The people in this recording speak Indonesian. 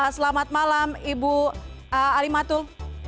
selamat malam ibu ali matul